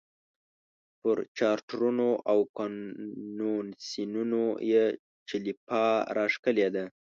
پر چارټرونو او کنونسینونو یې چلیپا راښکلې ده.